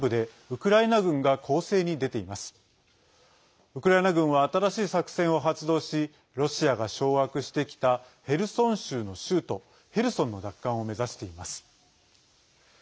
ウクライナ軍は新しい作戦を発動しロシアが掌握してきたヘルソン州の州都ヘルソンの奪還を目指しています。